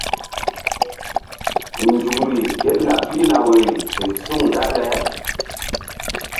Nzukri kélaɓ pihna woyri ke suŋ dale.